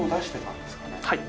はい。